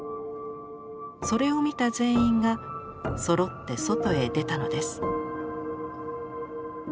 それを見た全員がそろって外へ出たのです。